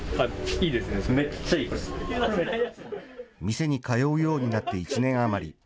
店に通うようになって１年余り。